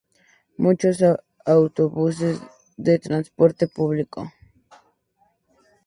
Muchos Autobuses de transporte público.